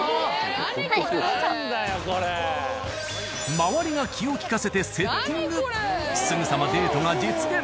周りが気を利かせてセッティングすぐさまデートが実現